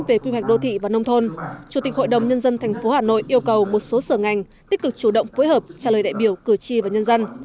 về quy hoạch đô thị và nông thôn chủ tịch hội đồng nhân dân tp hà nội yêu cầu một số sở ngành tích cực chủ động phối hợp trả lời đại biểu cử tri và nhân dân